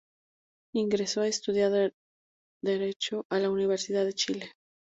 Ingresó a estudiar Derecho a la Universidad de Chile.